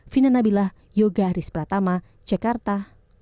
vina nabilah yoga rizpratama jakarta